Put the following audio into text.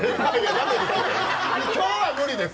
今日は無理です！